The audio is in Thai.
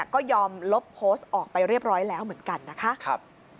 ก็ยอมลบโพสต์ออกไปเรียบร้อยแล้วเหมือนกันนะคะ